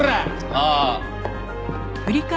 ああ。